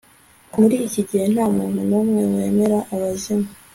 Muri iki gihe nta muntu numwe wemera abazimu